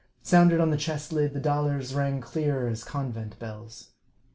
Sounded on the chest lid, the dollars rang clear as convent bells.